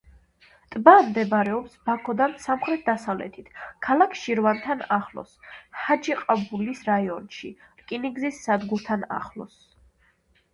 ტბა მდებარეობს ბაქოდან სამხრეთ-დასავლეთით, ქალაქ შირვანთან ახლოს, ჰაჯიყაბულის რაიონში, რკინიგზის სადგურთან ახლოს.